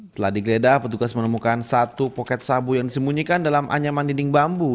setelah digeledah petugas menemukan satu poket sabu yang disembunyikan dalam anyaman dinding bambu